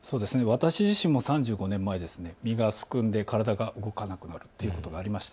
私自身も３５年前、身がすくんで体が動かなくなるということがありました。